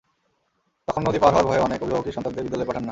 তখন নদী পার হওয়ার ভয়ে অনেক অভিভাবকই সন্তানদের বিদ্যালয়ে পাঠান না।